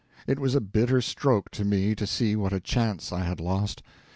It was a bitter stroke to me to see what a chance I had lost.